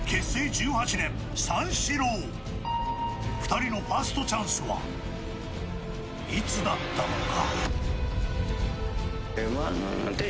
１８年、三四郎２人のファーストチャンスはいつだったのか。